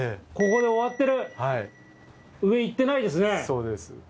そうです。